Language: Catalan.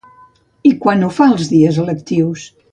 I quan ho fa els dies lectius?